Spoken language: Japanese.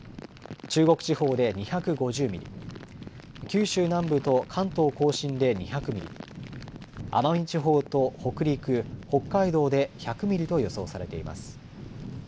中国地方で２５０ミリ、九州南部と関東甲信で２００ミリ、奄美地方と北陸、北海道で１００ミリと予想されています。